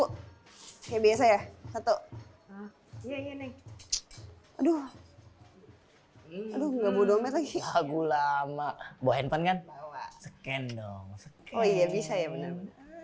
hai kebiasa ya satu ya ini aduh aduh nggak boleh lagi lagu lama bohon kan scan dong bisa ya bener